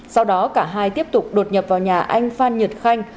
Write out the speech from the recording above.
sau đó cả hai tiếp tục đột nhập vào nhà anh phan nhật khanh